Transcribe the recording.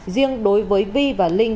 riêng đối với vi và linh